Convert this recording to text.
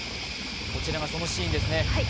こちらがそのシーンですね。